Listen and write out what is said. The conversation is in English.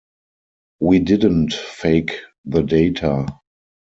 We didn't fake the data.